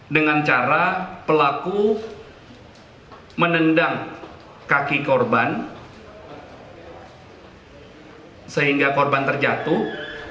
dengan cara pelaku menendang kaki korban sehingga korban terjatuh